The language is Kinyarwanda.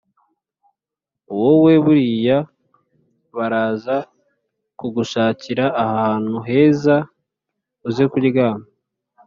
wowe buriya baraza kugushakira ahantu heza uze kuryama,